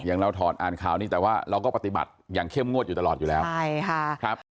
อย่างเราถอดอ่านข่าวนี้แต่ว่าเราก็ปฏิบัติอย่างเข้มงวดอยู่ตลอดอยู่แล้วใช่ค่ะครับ